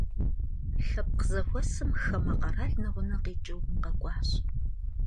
Лъэпкъ зэхуэсым хамэ къэрал нэгъунэ къикӏыу къэкӏуащ.